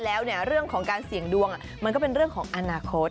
แล้วเรื่องของการเสี่ยงดวงมันก็เป็นเรื่องของอนาคต